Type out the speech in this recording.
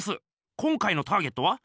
今回のターゲットは？